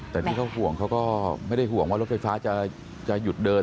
แต่ที่เขาห่วงเขาก็ไม่ได้ห่วงว่ารถไฟฟ้าจะหยุดเดิน